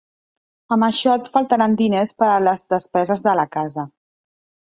Amb això et faltaran diners per a les despeses de la casa.